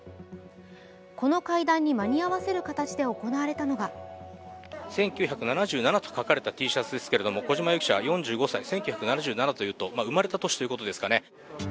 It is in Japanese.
この会談に間に合わせる形で行われたのが１９７７と書かれたＴシャツですが小島容疑者、４５歳、１９７７というと生まれた年ということですかね。